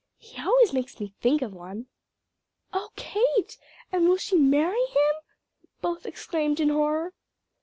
He always makes me think of one." "Oh, Kate! and will she marry him?" both exclaimed in horror.